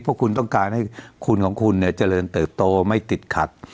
เพราะคุณต้องการให้คุณของคุณเนี่ยเจริญเติบโตไม่ติดขัด